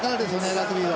ラグビーは。